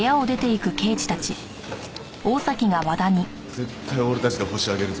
絶対俺たちでホシを挙げるぞ。